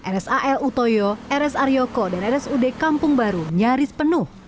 rsal utoyo rs aryoko dan rsud kampung baru nyaris penuh